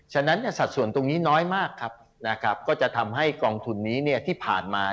ฉะนั้นสัดส่วนงานนี้เน้อน้อยมากก็จะทำให้กองทุนนี้ที่ผ่านมา